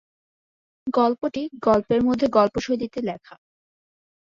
গল্পটি "গল্পের মধ্যে গল্প" শৈলীতে লেখা।